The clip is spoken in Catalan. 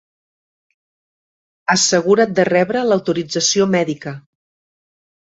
Assegura't de rebre l'autorització mèdica!